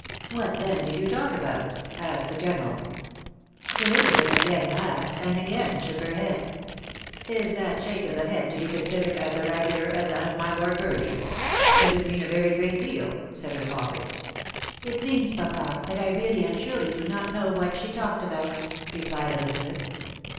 " What then did you talk about ?" asked the general. Elizabeth again laughed, and again shook her head.' " Is that shake of the head to be considered as oracular as that of my Lord Burleigh? Does it mean a very great deal," said her father. " It means, papa, that I really and truly do not know what she talked about," replied Elizabeth.